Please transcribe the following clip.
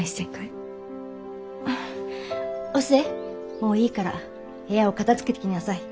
もういいから部屋を片づけてきなさい。